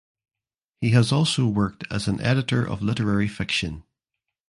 He has also worked as an editor of literary fiction.